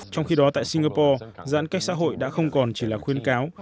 trong khi đó tại singapore giãn cách xã hội đã không còn chỉ là khuyên cáo